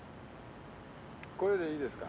これでいいですか？